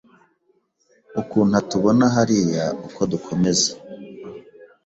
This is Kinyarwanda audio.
Ukuntu atubona hariya uko dukomeza